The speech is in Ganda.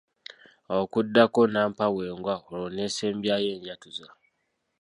Awo kuddako nnampawengwa olwo n’esembyayo enjatuza.